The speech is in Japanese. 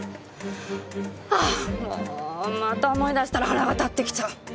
ああもうまた思い出したら腹が立ってきた！